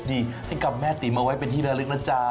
นี่ให้กับแม่ติ๋มเอาไว้เป็นที่ระลึกนะจ๊ะ